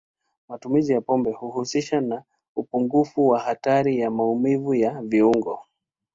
Matumizi ya pombe huhusishwa na upungufu wa hatari ya maumivu ya viungo.